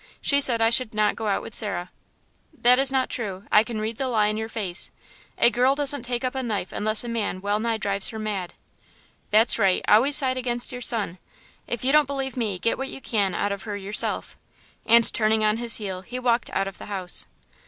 She said I should not go out with Sarah." "That is not true.... I can read the lie in your face; a girl doesn't take up a knife unless a man well nigh drives her mad." "That's right; always side against your son! ...If you don't believe me, get what you can out of her yourself." And, turning on his heel, he walked out of the house. Mrs.